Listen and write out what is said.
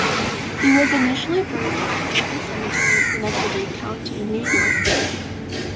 He was initially buried in a family cemetery in Schenectady County, New York.